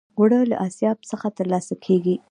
اوړه له آسیاب څخه ترلاسه کېږي